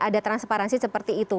ada transparansi seperti itu